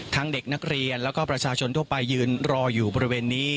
เด็กนักเรียนแล้วก็ประชาชนทั่วไปยืนรออยู่บริเวณนี้